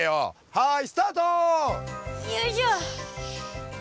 はい！